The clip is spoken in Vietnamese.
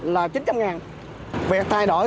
là chín trăm linh ngàn việc thay đổi